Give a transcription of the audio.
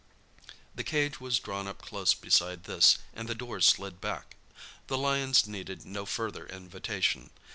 The cage was drawn up close beside this, and the doors slid back. The lions needed no further invitation.